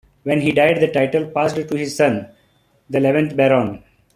When he died the title passed to his son, the eleventh Baron.